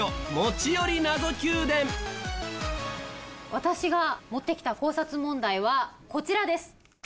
私が持ってきた考察問題はこちらです。